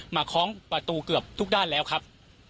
คล้องประตูเกือบทุกด้านแล้วครับ